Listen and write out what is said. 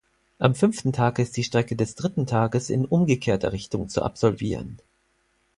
Am fünften Tag ist die Strecke des dritten Tages in umgekehrter Richtung zu absolvieren.